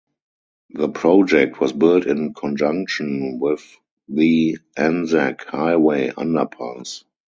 The project was built in conjunction with the Anzac Highway Underpass.